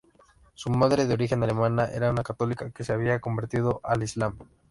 Su madre de origen alemana, era una católica que se había convertido al islam.